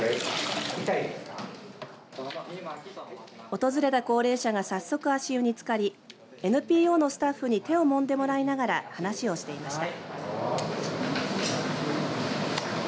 訪れた高齢者が早速、足湯につかりＮＰＯのスタッフに手をもんでもらいながら話をしていました。